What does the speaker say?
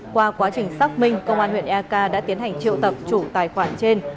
qua quá trình xác minh công an huyện eak đã tiến hành triệu tập chủ tài khoản trên